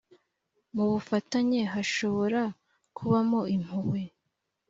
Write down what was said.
mu bufatanye hashobora kubamo impuhwe